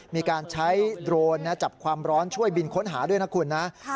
มีการใช้โดรนจับความร้อนช่วยบินค้นหาด้วยนะคุณนะ